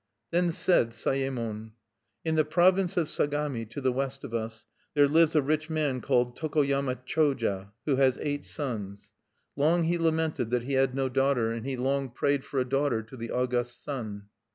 Then said Sayemon: "In the province of Sagami, to the west of us, there lives a rich man called Tokoyama Choja, who has eight sons. "Long he lamented that he had no daughter, and he long prayed for a daughter to the August Sun.